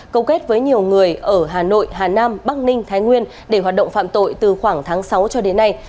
câu kết với nhiều người ở hà nội hà nam bắc ninh thái nguyên để hoạt động phạm tội từ khoảng tháng sáu cho đến nay